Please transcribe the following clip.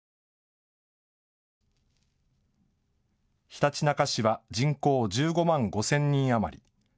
ひたちなか市は人口１５万５０００人余り。